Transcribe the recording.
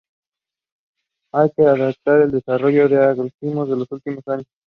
Hay que destacar el desarrollo del agroturismo en los últimos años.